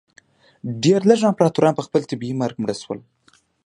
ډېر لږ امپراتوران په خپل طبیعي مرګ مړه شول.